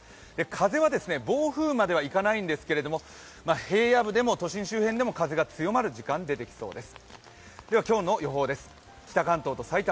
風は暴風まではいかないんですけど平野部、都心でも風が強まる時間、出てきそうです。